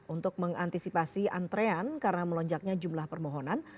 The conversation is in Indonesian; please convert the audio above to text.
untuk mengantisipasi antrean karena melonjaknya jumlah permohonan